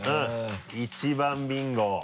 一番ビンゴ。